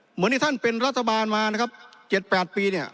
เหมือนที่ท่านเป็นรัฐบาลมา๗๘ปี